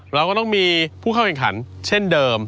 เราก็ต้องมีผู้เข้าแข่งขันเช่นเดิม